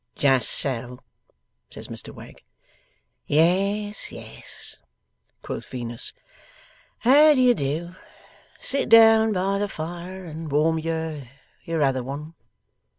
'Just so,' says Mr Wegg. 'Yes, yes,' quoth Venus. 'How do you do? Sit down by the fire, and warm your your other one.